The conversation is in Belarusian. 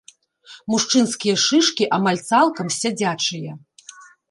Мужчынскія шышкі амаль цалкам сядзячыя.